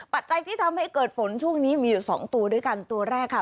ปัจจัยที่ทำให้เกิดฝนช่วงนี้มีอยู่สองตัวด้วยกันตัวแรกค่ะ